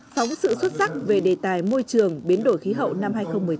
phóng sự xuất sắc về đề tài môi trường biến đổi khí hậu năm hai nghìn một mươi chín